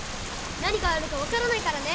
何があるかわからないからね！